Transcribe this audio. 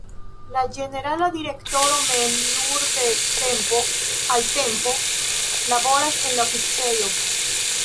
La ĝenerala direktoro mem nur de tempo al tempo laboras en la oficejo.